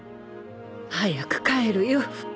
早く帰るよふく。